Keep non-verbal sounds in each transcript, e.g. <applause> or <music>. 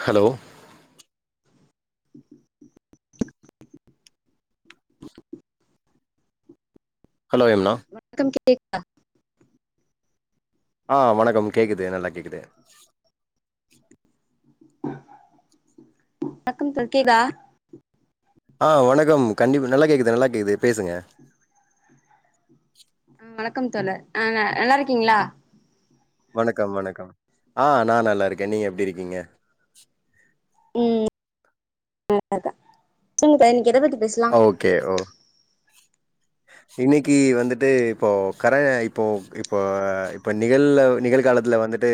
Hello hello Yamuna <unintelligible> ஆ வணக்கம் கேக்குது நல்லா கேக்குது வணக்கம் <inaudible> ஆ வணக்கம் கண்டிப் நல்லா கேக்குது நல்லா கேக்குது பேசுங்க ம் வணக்கம் தோழர் ஆ நல்லாருக்கீங்ளா? வணக்கம் வணக்கம் ஆ நா நல்லாருக்கே நீங்க எப்டி இருக்கீங்க? ம் நல்லாருக்கே <inaudible> இன்னைக்கி எத பத்தி பேசலா அ ஓகே ஓ இன்னக்கி வந்துட்டு இப்போ கர இப்போ இப்ப இப்ப நிகழ்ல நிகழ்காலத்துல வந்துட்டு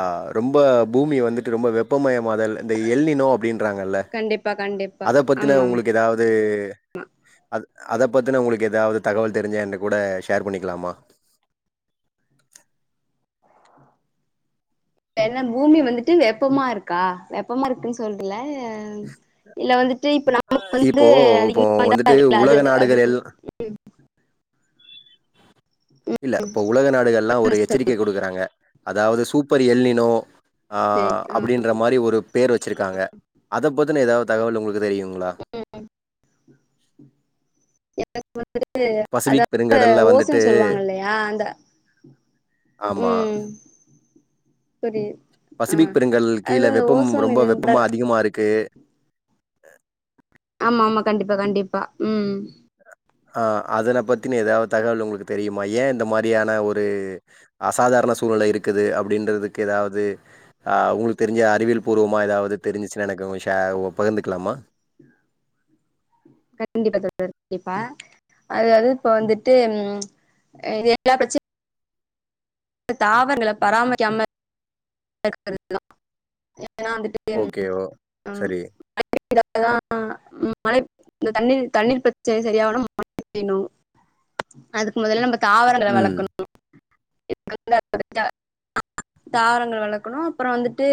ஆ ரொம்ப பூமி வந்துட்டு ரொம்ப வெப்பமயமாதல் இந்த எல்நினோ அப்டின் கண்டிப்பா கண்டிப்பா ஆமாமா எதாவுது அ அத பத்தின உங்களுக் எதாவுது தகவல் தெருஞ்சா என்ட கூட ஷேர் பண்ணிக்கலாமா? என்ன பூமி வந்துட்டு வெப்பமா இருக்கா வெப்பமா இருக்குன் சொல்லல ம் இல்ல வந்துட்டு இப்ப நமக்கு இப்போ வந்து இப்போ அதிகமா வந்துட்டு <inaudible> அது உலக அது நாடுகள் எல் இல்ல இப்ப உலக நாடுகள்லா ஒரு எச்சரிக்கை குடுக்குறாங்க அதாவுது சூப்பர் எல்நினோ ஆ அப்டின்ற மாரி ஒரு பேரு வ ச்சிருக்காங்க அத பத்தின எதாவுது தகவல் உங்களுக்கு தெரியுங்ளா? <inaudible> <inaudible> வந்துட்டு ஓசோன் சொல்வாங்கல்லயா அந்த ஆமா. ம் செரி பசிபிக் பெருங்கடல் கீழ வெப்பம் ரொம்ப இது வெப்பமா அதிகமா இருக்கு அ ஆமாமா கண்டிப்பா கண்டிப்பா ம் அ அதன பத்தின எதாவ தகவல் உங்களுக்கு தெரியுமா ஏ இந்த மாரியான ஒரு அசாதாரண சூழ்நிலை இருக்குது அப்டின்றதுக்கு எதாவுது ஆ உங்களுக் தெரிஞ்ச அறிவியல் பூர்வமா எதாவுது தெரிஞ்சுச்சுன்னா எனக்கு ஷேர் ஓ பகிர்ந்துக்கலாமா? கண்டிப்பா தோழர் கண்டிப்பா அதாவுது இப்ப வந்துட்டு ம் இது எல்லா பிரச்ச தாவரங்கள பராமரிக்காம <inaudible> எனா வந்துட்டு ஓகே. ஓ ம் சரி. <inaudible> இந்த தண்ணீர் தண்ணீர் பிரச்சனை செரியாவனும் மழ பெய்னு அதுக்கு முதல்ல நம்பத் தாவரங்கள ம். வளக்கணும் <unintelligible> தாவரங்கள வளக் வளக்கணும் அப்புறோ வந்துட்டு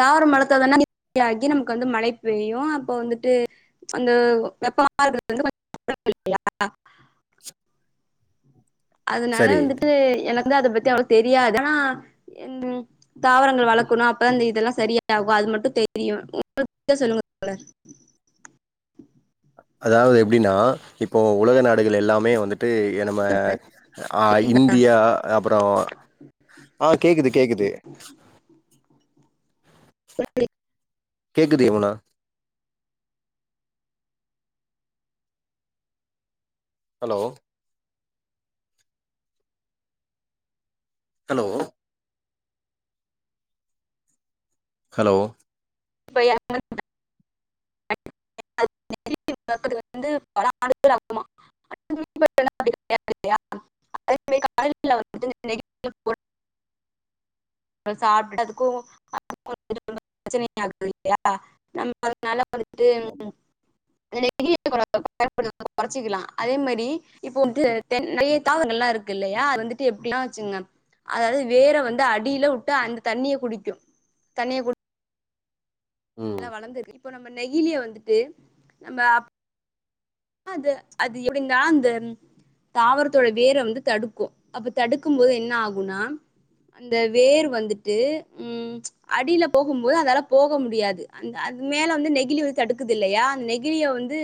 தாவரம் வளத்தா தான <unintelligible> ஆகி நமக்கு வந்து மழை பெய்யும் அப்ப வந்துட்டு அந்த வெப்பமா இருக்கறது வந்து கொஞ்சோ <inaudible> அதுனால சரி. வந்துட்டு எனக் வந்து அத பத்தி அவளுக் தெரியாது ஆனா எந்த தாவரங்கள் வளக்குணும் அப்ப தா இந்த இதெல்லா செரியாகும் அது மட்டும் தெரியும் உங்ளுக்கு தெரிஞ்சா சொல்லுங்க தோழர் அதாவது எப்டினா இப்போ உலக நாடுகள் எல்லாமே வந்துட் டு ஏ நம்ம ஆ கேக்குதா? இந்தியா அப்பறோ ஆ கேக்குது கேக்குது பொடி பொடி கேக்குது யமுனா ஹலோ ஹலோ ஹலோ <inaudible> <inaudible> நம்ம அதனால வந்து ஆமா. டிம் <unintelligible> கொறச்சிக்கலா அதே மாரி இப்போ வந்து <unintelligible> நறைய தாவரங்கள்லா இருக்கு இல்லையா அது வந்துட்டு எப்பல்லா வச்சுங்க அதாவது வேர வந்து அடில வுட்டு அந்த தண்ணிய குடிக்கும் தண்ணிய குடிச் ம். நல்லா வளந்துர்க்கு இப்போ நம்ம நெகிலிய வந்துட்டு நம்ம அப் அது அது எப்டிந்தா அந்த தாவரத்தோட வேர வந்து தடுக்கும் அப்ப தடுக்கும்போது என்ன ஆகுனா அந்த வேர் வந்துட்டு ம் அடில போகும்போது அதால போக முடியாது அந்த அது மேல வந்து நெகிழி வந்து தடுக்குது இல்லையா நெகிலிய வந்து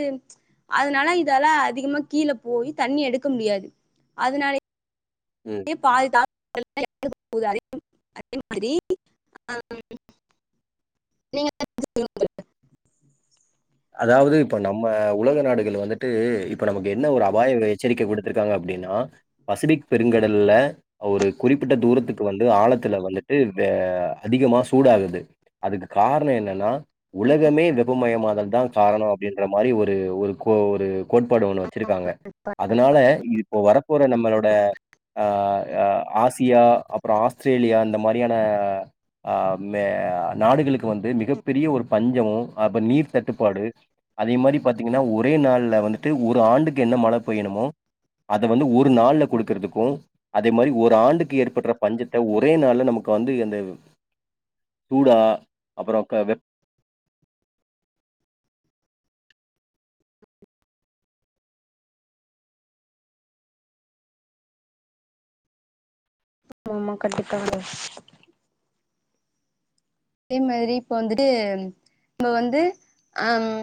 அதுனால இதால்ல அதிகமா கீழ போயி தண்ணி எடுக்க முடியாது அதுனாலிப் ம். நறைய பால் தா <unintelligible> <unintelligible> அதே மாதிரி ஆம் <unintelligible> அதாவது இப்ப நம்ம உலக நாடுகள் வந்துட்டு இப்ப நமக்கு என்ன ஒரு அபாய எச்சரிக்கை விடுத்திருக்காங்க அப்டின்னா பசிபிக் பெருங்கடல்ல ஒரு குறிப்பிட்ட தூரத்துக்கு வந்து ஆழத்துல வந்துட்டு வே அதிகமா சூடாகுது அதுக்கு காரண என்னன்னா உலகமே வெப்பமயமாதல் இதா காரணம் அப்டின்ற மாரி ஒரு ஒரு கோ ஒரு கோட்பாடு ஒன்னு வச்சுருக்காங்க அதனால இப்போ வரப் போற நம்மளோட ஆ ஆ ஆசியா அப்றோ ஆஸ்திரேலியா இந்த மாரியான ஆ மே நாடுகளுக்கு இப்போ வந்து மிகப்பெரிய ஒரு பஞ் ஞ்சோ அப்ப நீர் தட்டுப்பாடு அதே மாரி பாத்தீங்கன்னா ஒரே நாள்ல வந்துட்டு ஒரு ஆண்டுக்கு என்ன மழ பெய்யணுமோ அத வந்து ஒரு நாள்ல கொடுக்கறதுக்கும் அதே மாரி ஒரு ஆண்டுக்கு ஏற்படுற பஞ்சத்த ஒரே நாள்ல நமக்கு வந்து அந்த சூடா அப்பறோ வெப் ஆமா கண்டிப்பா அதே மாரி இப்ப வந்துட்டு நம்ம வந்து ஆ ம்